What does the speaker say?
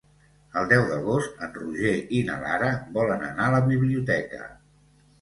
El deu d'agost en Roger i na Lara volen anar a la biblioteca.